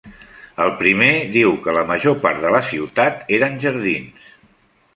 El primer diu que la major part de la ciutat eren jardins.